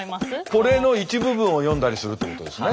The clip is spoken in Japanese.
これの一部分を読んだりするってことですね。